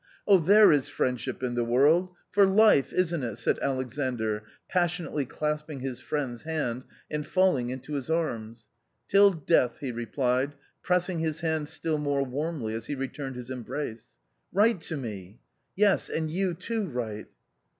Oh, there is friendship in the world ! For life, isn't it ?" said Alexandr, passionately clasping his friend's hand and fall ing into his arms. "Till death," he replied, pressing his hand still more warmly as he returned his embrace. " Write to me !"" Yes, and you too write."